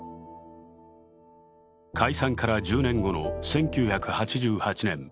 解散から１０年後の１９８８年。